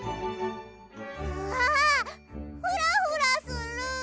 うわ！フラフラする。